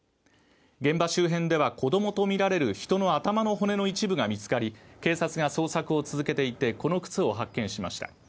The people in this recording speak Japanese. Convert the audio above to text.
現場周辺では、子供とみられる人の頭の骨の一部が見つかり、警察が捜索を続けていてこの靴を発見しました。